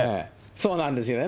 そうなんですよね。